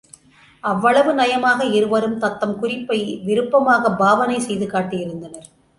அவ்வளவு நயமாக இருவரும் தத்தம் குறிப்பை விருப்பமாகப் பாவனை செய்து காட்டியிருந்தனர்.